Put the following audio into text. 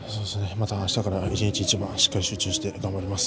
またあしたから一日一番しっかり集中して頑張ります。